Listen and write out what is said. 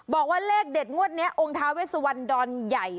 บอกว่าเลขเด็ดงวดนี้องค์ท้าเวสวันดอนใหญ่